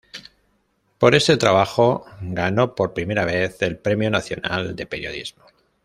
Por este trabajo ganó por primera vez el Premio Nacional de Periodismo.